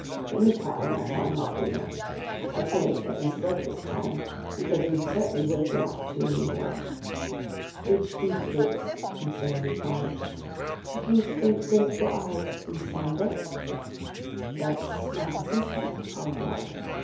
"Dinnertime, my fine harpooner? I'd say at least breakfast time, because we've certainly woken up to a new day." "Which indicates," Conseil replied, "that we've spent twenty four hours in slumber." "That's my assessment," I replied.